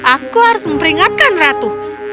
aku harus memperingatkan ratu